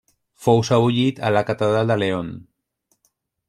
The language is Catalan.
Fou sebollit a la catedral de León.